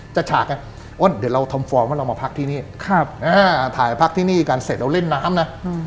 ฉากไงอ้นเดี๋ยวเราทำฟอร์มว่าเรามาพักที่นี่ถ่ายพักที่นี่กันเสร็จเราเล่นน้ำนะ